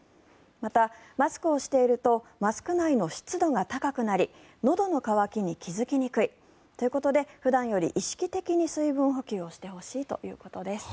また、マスクをしているとマスク内の湿度が高くなりのどの渇きに気付きにくい。ということで普段より意識的に水分補給をしてほしいということです。